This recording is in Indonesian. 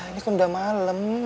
ini kan udah malem